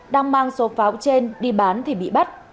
đang mang số pháo trên đi bán thì bị bắt